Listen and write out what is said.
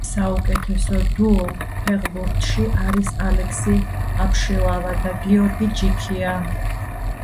საუკეთესო დუო ფეხბურთში არის ალექსი აბშილავა და გიორგი ჯიქია